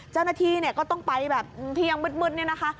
เจ้าหน้าที่เนี่ยก็ต้องไปแบบที่ยังมืดเนี่ยนะคะ